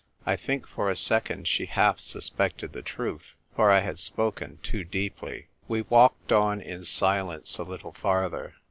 I think for a second she half suspected the truth, for I had spoken too deeply. We walked on in silence a little farther.